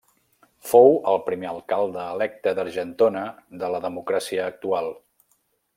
Fou el primer alcalde electe d'Argentona de la democràcia actual.